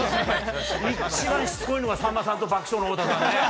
一番しつこいのさんまさんと爆笑の太田さん。